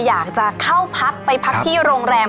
อยากจะเข้าพักไปพักที่โรงแรม